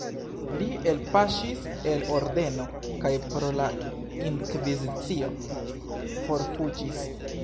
Li elpaŝis el ordeno kaj pro la inkvizicio forfuĝis.